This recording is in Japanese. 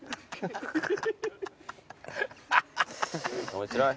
面白い？